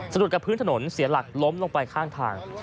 หลุดกับพื้นถนนเสียหลักล้มลงไปข้างทาง